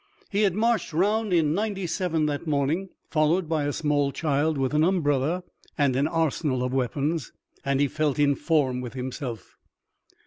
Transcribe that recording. He had marched round in ninety seven that morning, followed by a small child with an umbrella and an arsenal of weapons, and he felt in form with himself.